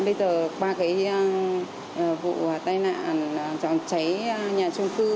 bây giờ qua vụ tai nạn chóng cháy nhà trung cư